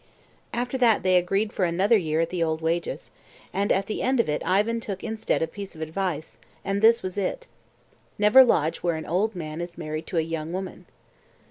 After that they agreed for another year at the old wages, and at the end of it Ivan took instead a piece of advice, and this was it: "Never lodge where an old man is married to a young woman."